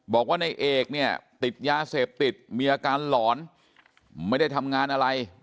บอกว่าในเอกเนี่ยติดยาเสพติดมีอาการหลอนไม่ได้ทำงานอะไร